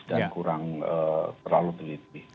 dan kurang terlalu teliti